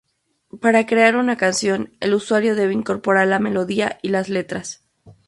Para crear una canción, el usuario debe incorporar la melodía y las letras.